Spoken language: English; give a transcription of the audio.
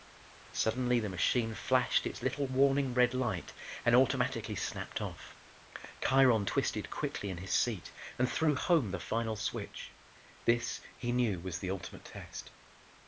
Suddenly the machine flashed its little warning red light and automatically snapped off. Kiron twisted quickly in his seat and threw home the final switch. This, he knew, was the ultimate test.